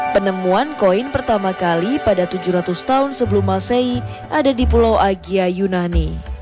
penemuan koin pertama kali pada tujuh ratus tahun sebelum masehi ada di pulau agia yunani